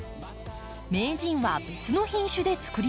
名人は別の品種でつくります。